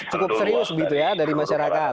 cukup serius gitu ya dari masyarakat